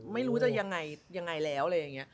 ไม่รู้จะได้ยังไงแล้ว